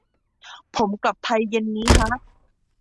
ผมกลับไทยเย็นนี้ฮะ